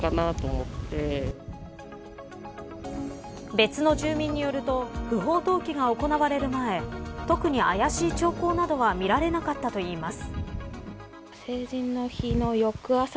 別の住民によると不法投棄が行われる前特に怪しい兆候などは見られなかったといいます。